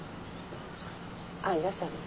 あいらっしゃる。